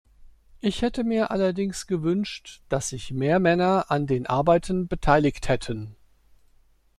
Ich hätte mir allerdings gewünscht, dass sich mehr Männer an den Arbeiten beteiligt hätten.